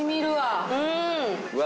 うわ。